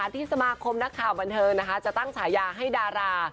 ที่สมาคมนักข่าวบันเทิงนะคะจะตั้งฉายาให้ดารา